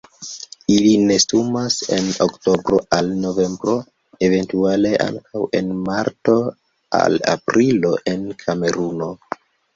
Ili nestumas en oktobro al novembro, eventuale ankaŭ en marto al aprilo en Kameruno.